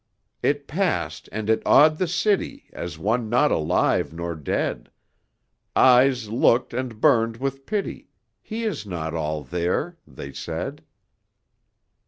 "It passed, and it awed the city As one not alive nor dead; Eyes looked and burned with pity. 'He is not all there,' they said.